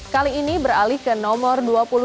kali ini beralih ke nomor dua puluh lima